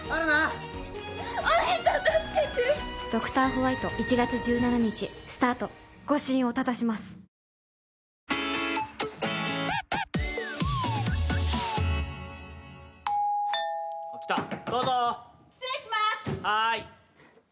はい。